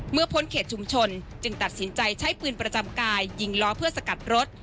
พ้นเขตชุมชนจึงตัดสินใจใช้ปืนประจำกายยิงล้อเพื่อสกัดรถ